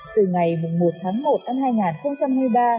từ ngày một tháng một năm hai nghìn hai mươi ba